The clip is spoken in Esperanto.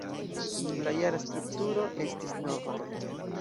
La jura strukturo estis nova.